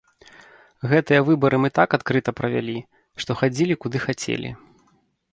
Гэтыя выбары мы так адкрыта правялі, што хадзілі куды хацелі.